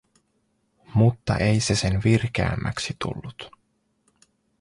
Mutta ei se sen virkeämmäksi tullut.